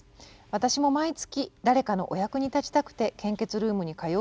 「私も毎月誰かのお役に立ちたくて献血ルームに通う１人です。